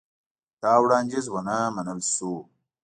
دا وړاندیز ونه منل شو.